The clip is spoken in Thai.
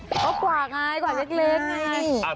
กว่าไงกว่าเล็ก